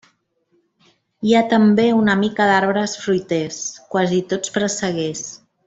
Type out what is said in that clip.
Hi ha també una mica d'arbres fruiters, quasi tots presseguers.